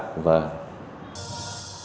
thất bại vâng